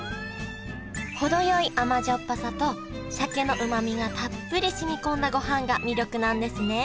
程よい甘じょっぱさと鮭のうまみがたっぷりしみこんだごはんが魅力なんですねは